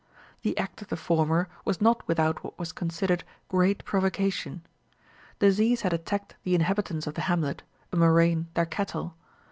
The act of the former was not without what was considered great provocation. Disease had attacked the inhabitants of the hamlet, a murrain their cattle.